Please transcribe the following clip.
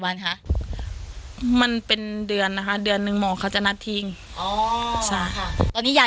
วันคะมันเป็นเดือนนะคะเดือนหนึ่งหมอเขาจะนัดทิ้งอ๋อใช่ค่ะตอนนี้ยาย